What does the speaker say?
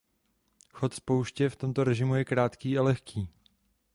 Chod spouště v tomto režimu je krátký a lehký.